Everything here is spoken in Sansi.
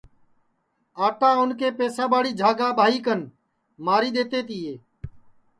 آٹا اُن کے پساباڑی جھاگا ٻائی کن ماری دؔیتے تیے